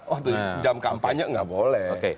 oh itu jam kampanye nggak boleh